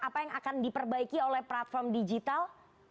apa yang akan diperbaiki oleh platform digital